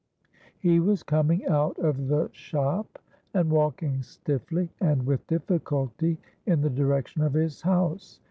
He was coming out of the shop, and walking stiffly and with difficulty in the direction of his house.